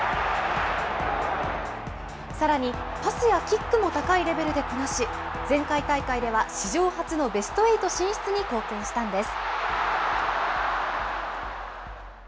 さらに、パスやキックも高いレベルでこなし、前回大会では史上初のベストエイト進出に貢献したんです。